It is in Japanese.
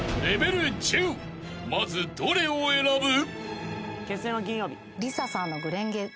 ［まずどれを選ぶ？］